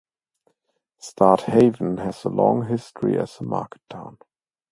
Strathaven has a long history as a market town.